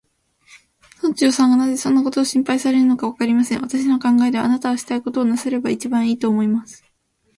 村長さんがなぜそんなことを心配されるのか、わかりません。私の考えでは、あなたはしたいことをなさればいちばんいい、と思います。